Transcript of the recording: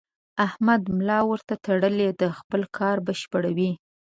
احمد ملا ورته تړلې ده؛ خپل کار بشپړوي.